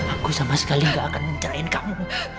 aku sama sekali gak akan mencerahin kamu